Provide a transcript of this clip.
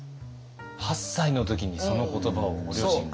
８歳の時にその言葉をご両親から。